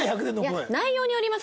いや内容によります。